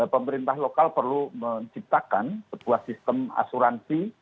pemerintah lokal perlu menciptakan sebuah sistem asuransi